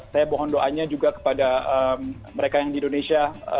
saya mohon doanya juga kepada mereka yang di indonesia